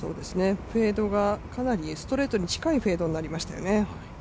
フェードがかなりストレートに近いフェードになりましたよね。